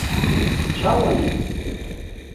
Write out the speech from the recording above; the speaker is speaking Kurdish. Çawa yî?